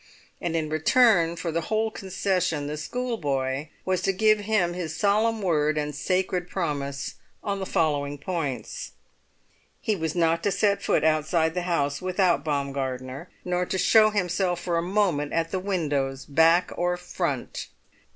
And in return for the whole concession the schoolboy was to give his solemn word and sacred promise on the following points. He was not to set foot outside the house without Baumgartner, nor to show himself for a moment at the windows back or front.